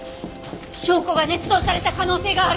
証拠がねつ造された可能性がある！